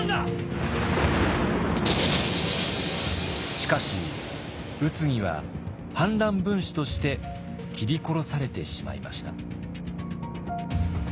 しかし宇津木は反乱分子として斬り殺されてしまいました。